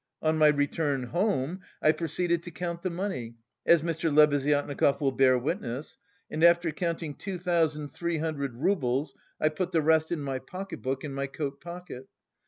On my return home I proceeded to count the money as Mr. Lebeziatnikov will bear witness and after counting two thousand three hundred roubles I put the rest in my pocket book in my coat pocket.